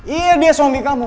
iya dia suami kamu